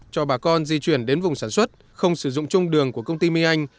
cho bà con di chuyển đến vùng sản xuất không sử dụng chung đường của công ty my anh